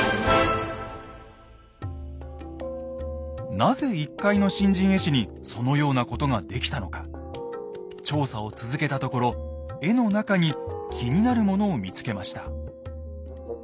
なぜ一介の新人絵師にそのようなことができたのか。調査を続けたところ絵の中に気になるものを見つけました。